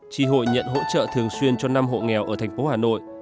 tri hội nhận hỗ trợ thường xuyên cho năm hộ nghèo ở thành phố hà nội